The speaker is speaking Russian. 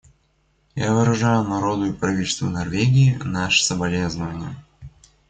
Я выражаю народу и правительству Норвегии наши соболезнования.